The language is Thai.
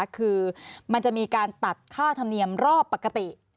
คือมันจะมีการตัดค่าธรรมเนียมรอบปกติ